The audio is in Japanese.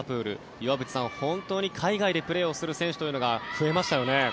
岩渕さん、本当に海外でプレーをする選手が増えましたよね。